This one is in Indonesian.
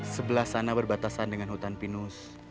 sebelah sana berbatasan dengan hutan pinus